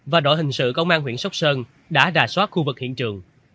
và đội hình sự công an huyện sóc sơn đã đà soát khu vực hiện trường